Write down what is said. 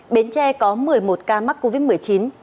bến tre có một mươi một ca mắc covid một mươi chín